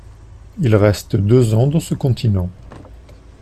Il reste deux ans dans ce continent.